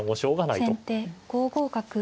先手５五角。